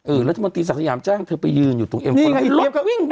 เออรัฐมนตรีศักดิ์สักษะยามจ้างเธอไปยืนอยู่ตรงนี่ไงไอ้เจ๊บเขาวิ่งวิ่ง